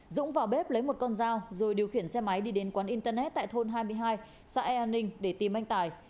dũng vào bếp lấy một con dao rồi điều khiển xe máy đi đến quán internet tại thôn hai mươi hai xã e ninh để tìm anh tài